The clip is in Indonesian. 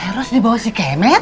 eros dibawa si kemet